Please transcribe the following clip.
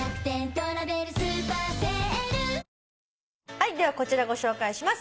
はいではこちらご紹介します。